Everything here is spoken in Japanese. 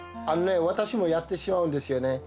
あのね私もやってしまうんですよね。